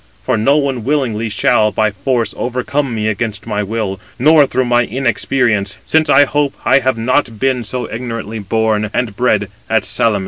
For no one willingly shall, by force, overcome me against my will, nor through my inexperience; since I hope I have not been so ignorantly 258 born and bred at Salamis."